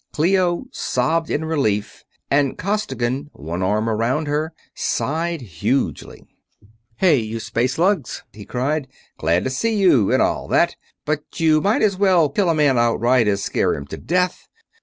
Clio sobbed in relief and Costigan, one arm around her, sighed hugely. "Hey, you spacelugs!" he cried. "Glad to see you, and all that, but you might as well kill a man outright as scare him to death!